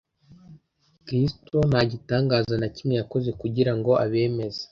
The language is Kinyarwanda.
Kristo nta gitangaza na kimwe yakoze kugira ngo abemeze,